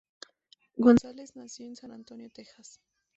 Gonzales nació en San Antonio, Texas.